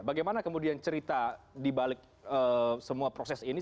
bagaimana kemudian cerita di balik semua proses ini